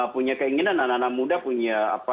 punya keinginan anak anak muda punya